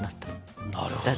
なるほど。